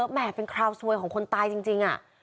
แห่เป็นคราวซวยของคนตายจริง